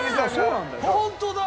本当だ！